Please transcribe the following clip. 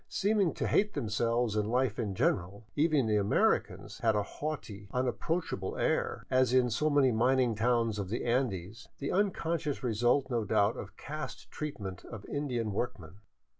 Seeming to hate themselves and Hfe in general, even the Americans had a haughty, unapproachable air, as in so many mining towns of the Andes, the unconscious result no doubt of caste treatment of Indian workmen.